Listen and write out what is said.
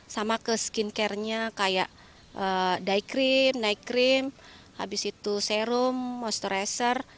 sama ke skincare nya kayak dye cream night cream habis itu serum moisturizer